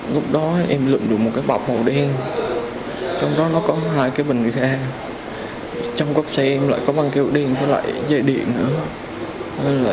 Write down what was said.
lúc đó em lựng được một cái bọc màu đen trong đó nó có hai cái bình gà trong góc xe em lại có bằng kiểu đen với lại dây điện nữa